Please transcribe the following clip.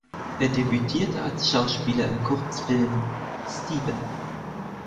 Er debütierte als Schauspieler im Kurzfilm "Steven".